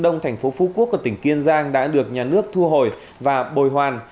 đông thành phố phú quốc của tỉnh kiên giang đã được nhà nước thu hồi và bồi hoàn